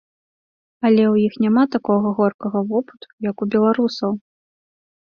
Але ў іх няма такога горкага вопыту, як у беларусаў.